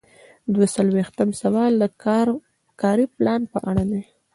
دوه څلویښتم سوال د کاري پلان په اړه دی.